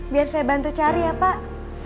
biar saya bantu cari ya pak